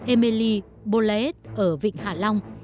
émilie bollet ở vịnh hạ long